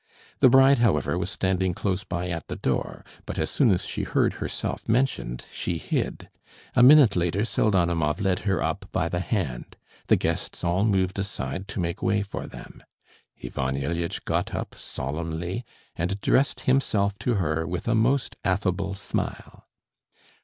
The bride, however, was standing close by at the door, but as soon as she heard herself mentioned, she hid. A minute later Pseldonimov led her up by the hand. The guests all moved aside to make way for them. Ivan Ilyitch got up solemnly and addressed himself to her with a most affable smile.